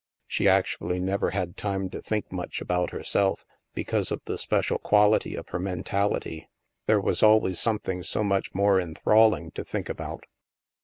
She actually never had time to think much about herself, because of the special quality of her men tality. There was always something so much more enthralling to think about.